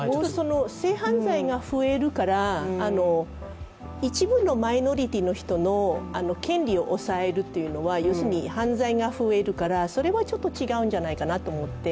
性犯罪が増えるから一部のマイノリティーの人の権利を抑えるというのは、犯罪が増えるからそれはちょっと違うんじゃないかなと思って。